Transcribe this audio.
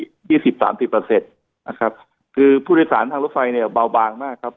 คือถ้าจดปกติผู้ดีสารทางรถไฟเนี่ยบางมากครับผม